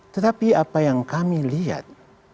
tetapi apa yang kami lihat